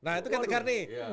nah itu kan tegar nih